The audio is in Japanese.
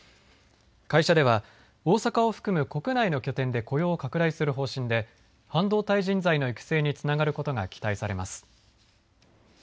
会社では大阪を含む国内の拠点で雇用を拡大する方針で半導体人材の育成につながることが期待されます。